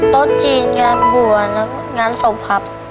โต๊ะจีนงานบวชแล้วก็งานศพครับ